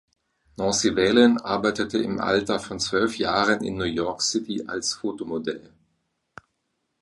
Nancy Valen arbeitete im Alter von zwölf Jahren in New York City als Fotomodell.